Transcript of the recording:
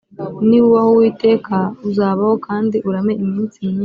Niwubaha Uwiteka uzabaho kandi urame iminsi myinshi